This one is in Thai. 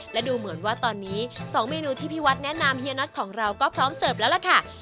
และดูเหมือนว่าตอนนี้๒เมนูที่พี่วัดแนะนำเฮียน็อตของเราก็พร้อมเสิร์ฟแล้วล่ะค่ะ